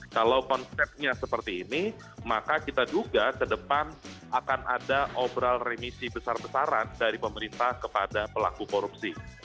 kalau konsepnya seperti ini maka kita duga ke depan akan ada obral remisi besar besaran dari pemerintah kepada pelaku korupsi